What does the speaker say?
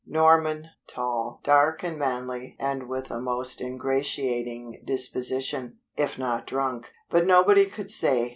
Norman: tall, dark and manly and with a most ingratiating disposition if not drunk. But nobody could say.